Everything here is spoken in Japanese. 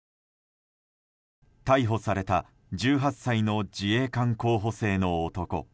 逮捕された１８歳の自衛官候補生の男。